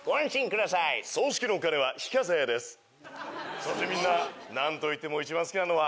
そしてみんな何といっても一番好きなのは。